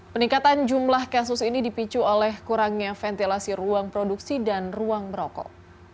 peningkatan jumlah kasus ini dipicu oleh kurangnya ventilasi ruang produksi dan ruang merokok